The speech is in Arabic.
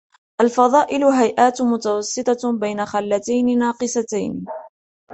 الْفَضَائِلُ هَيْئَاتٌ مُتَوَسِّطَةٌ بَيْنَ خَلَّتَيْنِ نَاقِصَتَيْنِ